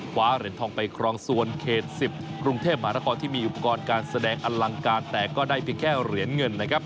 เหรียญทองไปครองส่วนเขต๑๐กรุงเทพมหานครที่มีอุปกรณ์การแสดงอลังการแต่ก็ได้เพียงแค่เหรียญเงินนะครับ